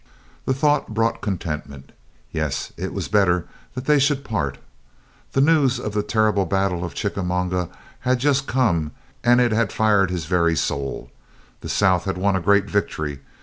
The thought brought contentment. Yes, it was better that they should part. Then the news of the terrible battle of Chickamauga had just come, and it had fired his very soul. The South had won a great victory.